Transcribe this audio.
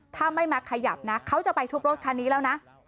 ถ้าไม่มาขยับนะเขาจะไปทุบรถคันนี้แล้วนะ